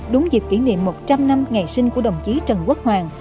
đúng dịp kỷ niệm một trăm linh năm ngày sinh của đồng chí trần quốc hoàng